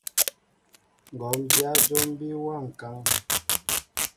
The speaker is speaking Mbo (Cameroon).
Ŋgǒm dyá jǒm bí wa ŋkán.